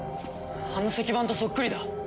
あの石板とそっくりだ！